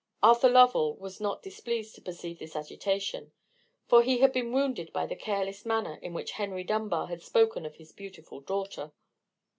Arthur Lovell was not displeased to perceive this agitation: for he had been wounded by the careless manner in which Henry Dunbar had spoken of his beautiful daughter.